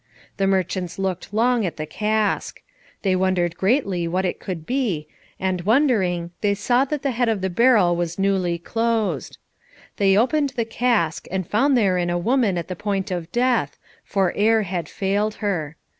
The merchants looked long at the cask. They wondered greatly what it could be, and wondering, they saw that the head of the barrel was newly closed. They opened the cask, and found therein a woman at the point of death, for air had failed her.